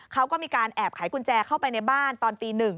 เขาก็มีการแอบไขกุญแจเข้าไปในบ้านตอนตี๑